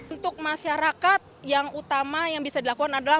untuk masyarakat yang utama yang bisa dilakukan adalah